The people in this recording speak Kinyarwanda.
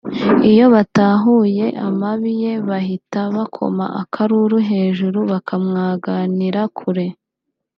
iyo batahuye amabi ye bahita bakoma akaruru hejuru bakamwaganira kure